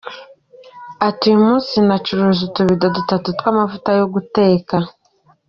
Ati “Uyu munsi nacuruje utubido dutatu tw’amavuta yo guteka.